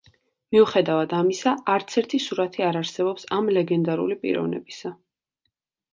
მიუხედავად ამისა, არცერთი სურათი არ არსებობს ამ ლეგენდარული პიროვნებისა.